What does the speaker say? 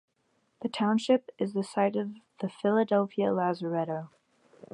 The township is the site of the Philadelphia Lazaretto.